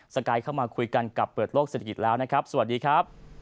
กายเข้ามาคุยกันกับเปิดโลกเศรษฐกิจแล้วนะครับสวัสดีครับ